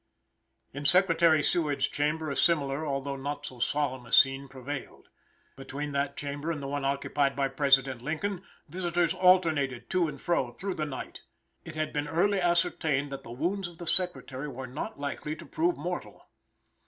In Secretary Seward's chamber, a similar although not so solemn a scene prevailed; between that chamber and the one occupied by President Lincoln, visitors alternated to and fro through the night. It had been early ascertained that the wounds of the secretary were not likely to prove mortal.